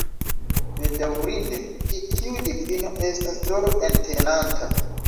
Bedaŭrinde, ĉi tiu difino estas tro entenanta.